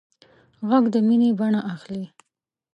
غږ د مینې بڼه اخلي